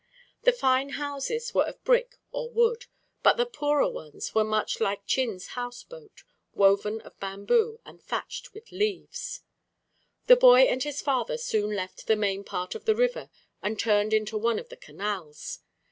The fine houses were of brick or wood, but the poorer ones were much like Chin's house boat, woven of bamboo and thatched with leaves. The boy and his father soon left the main part of the river and turned into one of the canals.